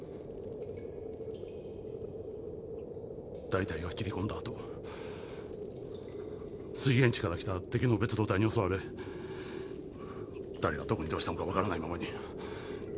大隊が切り込んだあと水源地から来た敵の別働隊に襲われ誰がどこにどうしたのか分からないままに。